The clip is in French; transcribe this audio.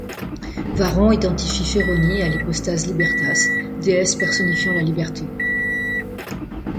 Varron identifie Féronie à l'hypostase Libertas, déesse personnifiant la liberté.